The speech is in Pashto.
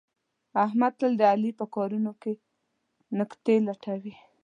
احمد تل د علي په کارونو کې نکتې لټوي.